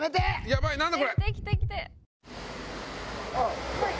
ヤバい何だこれ。